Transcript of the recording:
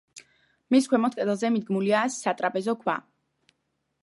მის ქვემოთ კედელზე მიდგმულია სატრაპეზო ქვა.